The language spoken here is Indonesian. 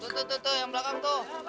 tuh tuh tuh yang belakang tuh